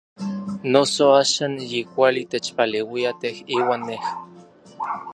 Noso axan yi kuali techpaleuia tej iuan nej.